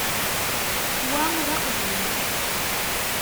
Wa d aqjun.